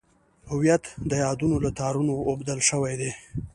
هویت د یادونو له تارونو اوبدل شوی دی.